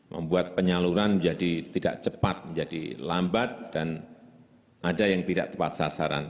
membuat penyaluran menjadi tidak cepat menjadi lambat dan ada yang tidak tepat sasaran